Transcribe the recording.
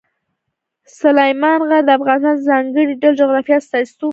سلیمان غر د افغانستان د ځانګړي ډول جغرافیه استازیتوب کوي.